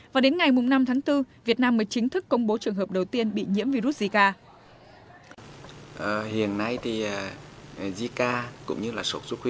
và đến ngày năm tháng bốn việt nam mới chính thức công bố trường hợp đầu tiên bị nhiễm virus zika